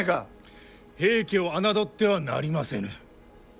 平家を侮ってはなりませぬ。